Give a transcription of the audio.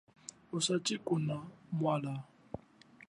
Ocha tshikuna mwalwa.